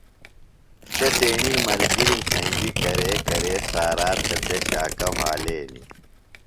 سےۡ تیݨی ملگِرِم سنگیۡ کرے کرے سارا تھےۡ بےۡ شاکہ وھالینیۡ۔